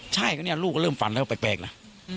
ใช่ก็เนี่ยลูกก็เริ่มฝันแล้วแปลกนะ